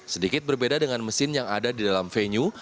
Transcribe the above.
sedikit berbeda dengan mesin yang ada di dalam venue